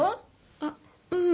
あっうん。